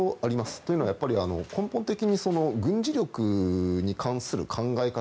というのは根本的に軍事力に関する考え方